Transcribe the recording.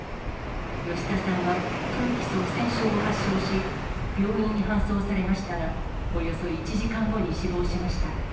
吉田さんは、空気塞栓症を発症し、病院に搬送されましたが、およそ１時間後に死亡しました。